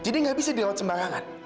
nggak bisa dirawat sembarangan